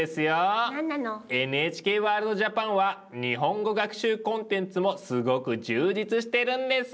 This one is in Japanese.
「ＮＨＫワールドＪＡＰＡＮ」は日本語学習コンテンツもすごく充実してるんです。